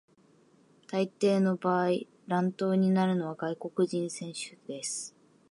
大抵の場合、乱闘になるのは外国人選手です。